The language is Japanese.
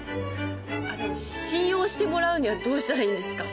あの信用してもらうにはどうしたらいいんですか？